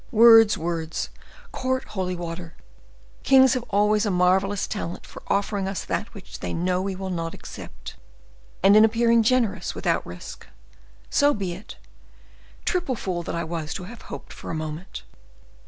"Words! words! Court holy water! Kings have always a marvelous talent for offering us that which they know we will not accept, and in appearing generous without risk. So be it!—triple fool that I was to have hoped for a moment!"